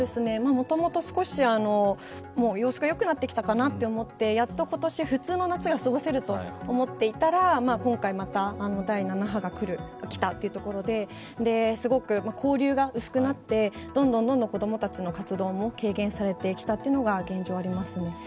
もともと少し様子がよくなってきたかなと思って、やっと今年普通の夏が過ごせると思っていたら、今回、第７波が来たというところで、すごく交流が薄くなって、どんどん子供たちの活動も軽減されてきたというのが現状ありますね。